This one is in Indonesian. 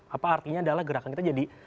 apa artinya adalah gerakan kita jadi